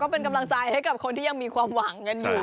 เป็นกำลังใจให้คนที่ยังมีความหวัง